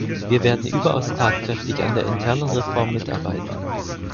Wir werden überaus tatkräftig an der internen Reform mitarbeiten.